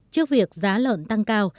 trước việc giá lợn tăng cao